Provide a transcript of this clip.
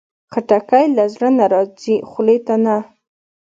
خټکی له زړه نه راځي، خولې ته نه.